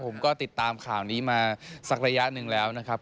ผมก็ติดตามข่าวนี้มาสักระยะหนึ่งแล้วนะครับ